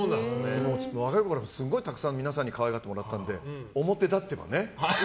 若いころから、すごい皆さんに可愛がってもらったので表立ってはね。